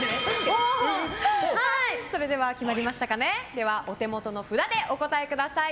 では、お手元の札でお答えください。